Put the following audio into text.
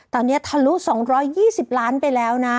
ตอนนี้ทะลุ๒๒๐ล้านไปแล้วนะ